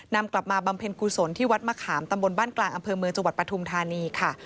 กลับมาบำเพ็ญกุศลที่วัดมะขามตำบลบ้านกลางอำเภอเมืองจังหวัดปฐุมธานีค่ะ